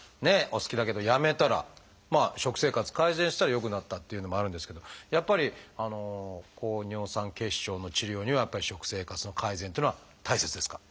お好きだけどやめたらまあ食生活改善したら良くなったっていうのもあるんですけどやっぱり高尿酸血症の治療には食生活の改善っていうのは大切ですか？